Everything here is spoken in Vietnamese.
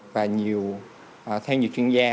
và nhiều theo nhiều chuyên gia